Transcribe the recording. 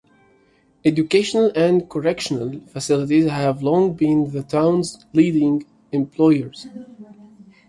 Educational and correctional facilities have long been the town's leading employers.